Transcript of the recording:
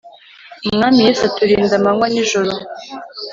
Umwami Yesu aturinda amanywa n’ ijoro .